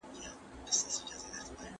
کبابي په خپله چوکۍ باندې د ستړیا خوب کاوه.